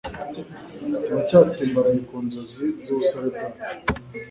Turacyatsimbaraye ku nzozi z'ubusore bwacu.